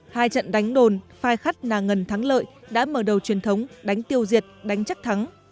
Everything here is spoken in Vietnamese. hai trận đánh đồn phai khắt nàng ngần thắng lợi đã mở đầu truyền thống đánh tiêu diệt đánh chắc thắng